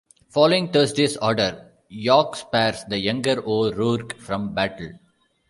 Following Thursday's orders, York spares the younger O'Rourke from battle.